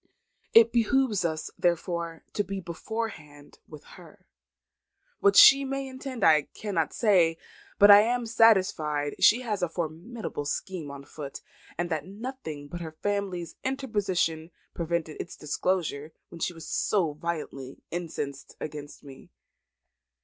It behoves us, therefore, to be beforehand with her. What she may intend I cannot say, but I am satisfied she has a formidable scheme on foot, and that nothing but her husband's interposition prevented its disclosure when she was so violently incensed against me."